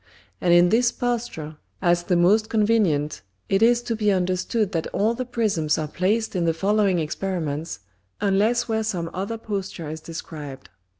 And in this Posture, as the most convenient, it is to be understood that all the Prisms are placed in the following Experiments, unless where some other Posture is described.